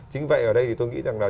chính vậy ở đây thì tôi nghĩ rằng là